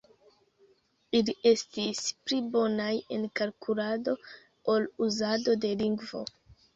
Ili estis pli bonaj en kalkulado ol uzado de lingvo.